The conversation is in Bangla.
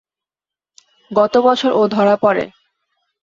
গত বছর ও ধরা পড়ে।